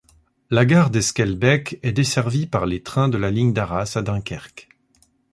La gare d'Esquelbecq est desservie par les trains de la ligne d'Arras à Dunkerque.